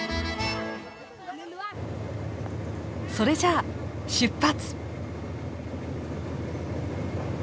それじゃあ出発！